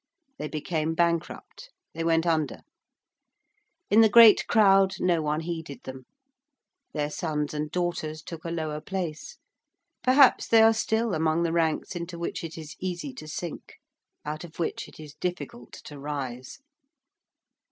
They became bankrupt: they went under: in the great crowd no one heeded them: their sons and daughters took a lower place: perhaps they are still among the ranks into which it is easy to sink; out of which it is difficult to rise.